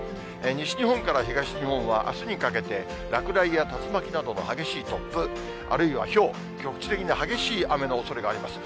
西日本から東日本は、あすにかけて、落雷や竜巻などの激しい突風、あるいはひょう、局地的に激しい雨のおそれがあります。